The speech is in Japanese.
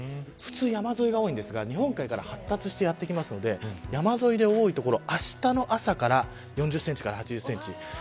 普通、山沿いが多いですが日本海から発達してやってくるので山沿いで多い所あしたの朝から４０センチから８０センチ